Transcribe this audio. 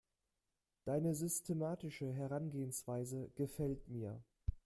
Deine systematische Herangehensweise gefällt mir.